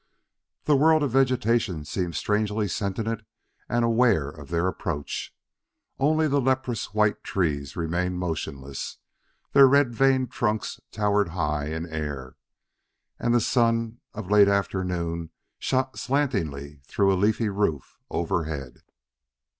The world of vegetation seemed strangely sentient and aware of their approach. Only the leprous white trees remained motionless; their red veined trunks towered high in air, and the sun of late afternoon shot slantingly through a leafy roof overhead.